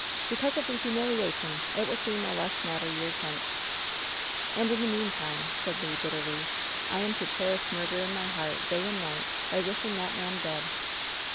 "Because of the humiliation. It will seem a less mat ter years hence." "And in the meantime," said Le, bitterly, "I am to cherish murder in my heart day and night by wishing that man dead!"